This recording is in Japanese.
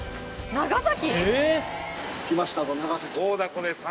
長崎